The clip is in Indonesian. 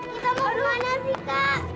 kita mau kemana sih kak